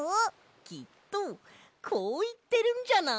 きっとこういってるんじゃない？